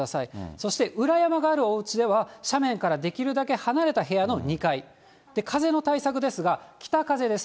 そして裏山があるおうちでは、斜面からできるだけ離れた部屋の２階、風の対策ですが、北風です。